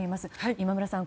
今村さん